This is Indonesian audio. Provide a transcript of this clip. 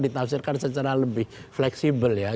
ditafsirkan secara lebih fleksibel ya